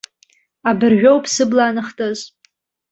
Абыржәоуп сыбла аныхтыз.